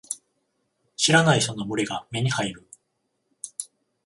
知らない人の群れが目に入る。